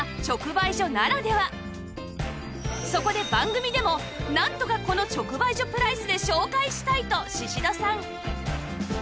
そこで「番組でもなんとかこの直売所プライスで紹介したい！」と宍戸さん